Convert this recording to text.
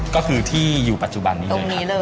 ก็คือที่อยู่ปัจจุบันนี้เลย